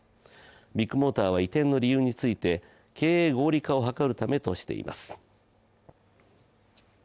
ビッグモーターは移転の理由について、経営合理化を図るためとしています。